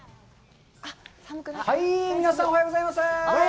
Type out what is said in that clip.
はい、皆さん、おはようございます！